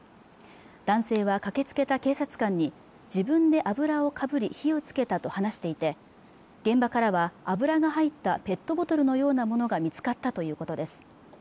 男性は駆けつけた警察官に自分で油をかぶり火をつけたと話していて現場からは油の入ったペットボトルのようなものが見つかったということです